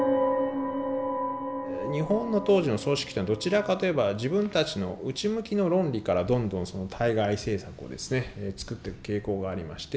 日本の当時の組織というのはどちらかと言えば自分たちの内向きの論理からどんどん対外政策を作っていく傾向がありまして。